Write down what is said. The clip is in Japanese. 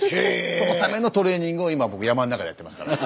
そのためのトレーニングを今僕山の中でやってますから。